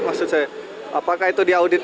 apakah itu diaudit